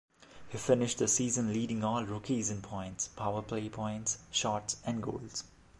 He finished the season leading all rookies in points, powerplay points, shots, and goals.